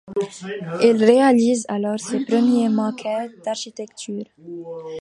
Il réalise alors ses premières maquettes d'architecture.